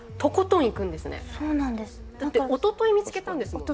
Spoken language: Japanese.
だっておととい見つけたんですもんね。